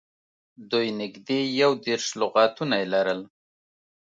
دوی نږدې یو دېرش لغاتونه یې لرل.